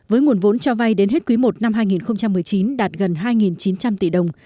với nguồn vốn cho vay đến hết quý i năm hai nghìn một mươi chín đạt gần hai chín trăm linh tỷ đồng